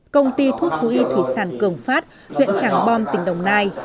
công ty thuốc thú y thủy sản cường phát huyện tràng bom tỉnh đồng nai